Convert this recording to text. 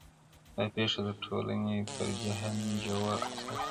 دا پېښه د ټولنې پر ذهن ژور اثر پرېږدي,